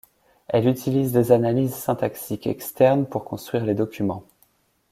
Elle utilise des analyses syntaxiques externes pour construire les documents.